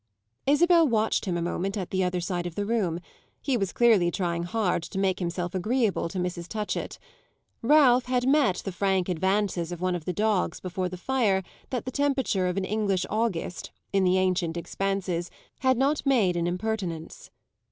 Isabel watched him a moment at the other side of the room; he was clearly trying hard to make himself agreeable to Mrs. Touchett. Ralph had met the frank advances of one of the dogs before the fire that the temperature of an English August, in the ancient expanses, had not made an impertinence.